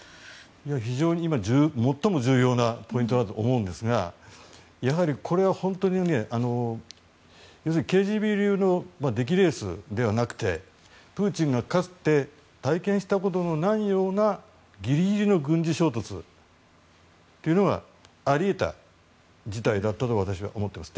非常に最も重要なポイントだと思うんですがやはりこれは本当にＫＧＢ流の出来レースではなくてプーチンがかつて体験したことのないようなギリギリの軍事衝突というのがあり得た事態だったと私は思っています。